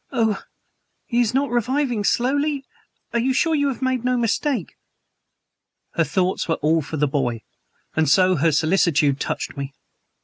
"Oh! is he not reviving slowly? Are you sure you have made no mistake?" Her thoughts were all for the boy; and her solicitude touched me.